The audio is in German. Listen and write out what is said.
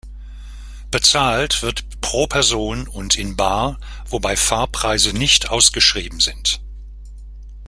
Bezahlt wird pro Person und in bar wobei Fahrpreise nicht ausgeschrieben sind.